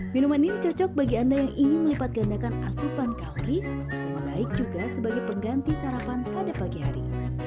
minuman ini cocok bagi anda yang ingin melipat gandakan asupan kalori selain baik juga sebagai pengganti sarapan pada pagi hari